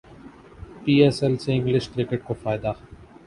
پی S L سے English cricket کو فائدہ